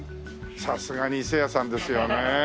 さすがに伊勢屋さんですよね。